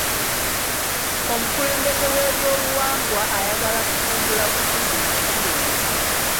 Omukulembeze w'ebyobuwangwa ayagala kutumbula bufuzi mu kitundu.